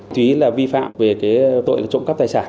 thúy là vi phạm về cái tội trộm cắp tài sản